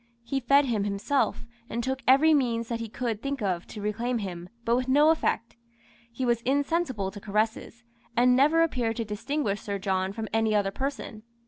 He fed him himself, and took every means that he could think of to reclaim him, but with no effect. He was insensible to caresses, and never appeared to distinguish Sir John from any other person.